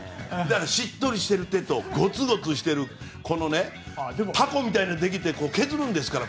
しっとりしてる手とゴツゴツしてるこのタコみたいなのができて削るんですから。